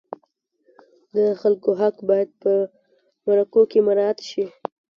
د خلکو حق باید په مرکو کې مراعت شي.